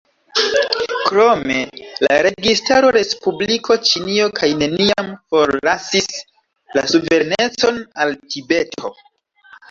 Krome, la registaro Respubliko Ĉinio kaj neniam forlasis la suverenecon al Tibeto.